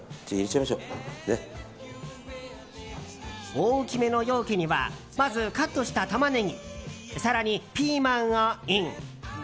大きめの容器にはまず、カットしたタマネギ更に、ピーマンをイン。